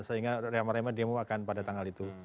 sehingga remeh remen dia akan pada tanggal itu